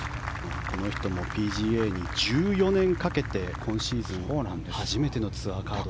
この人もＰＧＡに１４年かけて今シーズン初めてのツアー。